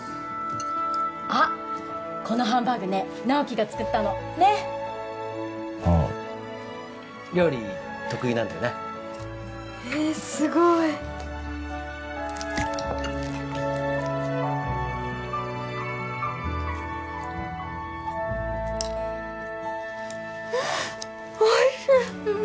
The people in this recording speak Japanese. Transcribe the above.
あっこのハンバーグね直木が作ったのねっああ料理得意なんだよなえっすごいうんおいしい！